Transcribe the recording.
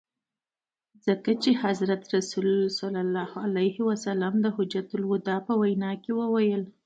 ځکه حضرت رسول ص د حجة الوداع په وینا کي وویل.